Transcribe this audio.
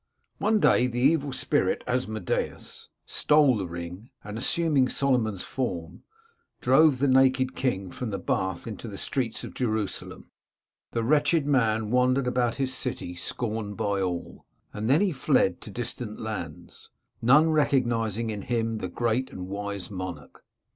One day the evil spirit, Asmodeus, stole the ring, and, assuming Solomon's form, drove the naked king from the bath into the streets of Jerusalem. The wretched man wandered about his city scorned by all ; then he fled into distant lands, none recognising in him the great and wise monarch.